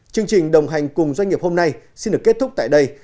chương trình đồng hành cùng doanh nghiệp hôm nay xin được kết thúc tại đây